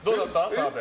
澤部。